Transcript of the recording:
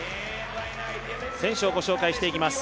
選手をご紹介していきます。